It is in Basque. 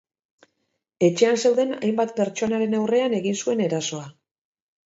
Etxean zeuden hainbat pertsonaren aurrean egin zuen erasoa.